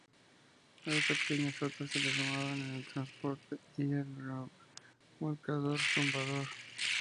A esta pequeña flota se le sumaban el transporte y el remolcador "Zumbador".